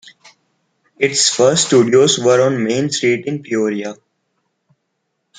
Its first studios were on Main Street in Peoria.